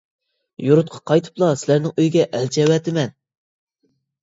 يۇرتقا قايتىپلا سىلەرنىڭ ئۆيگە ئەلچى ئەۋەتىمەن.